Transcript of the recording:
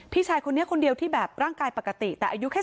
พี่ชายคนนี้คนเดียวที่แบบร่างกายปกติแต่อายุแค่